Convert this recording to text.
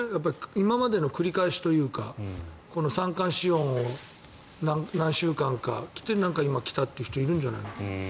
今までの繰り返しという過去の三寒四温を、何週間か来て今、来たという人いるんじゃないの？